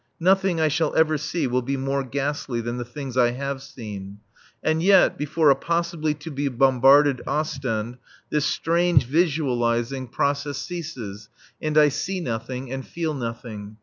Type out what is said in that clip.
Nothing I shall ever see will be more ghastly than the things I have seen. And yet, before a possibly to be bombarded Ostend this strange visualizing process ceases, and I see nothing and feel nothing.